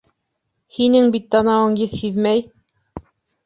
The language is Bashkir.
Һинең бит танауың еҫ һиҙмәй.